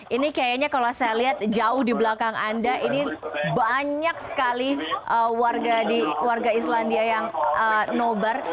ini kayaknya kalau saya lihat jauh di belakang anda ini banyak sekali warga islandia yang nobar